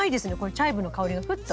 チャイブの香りがふっと。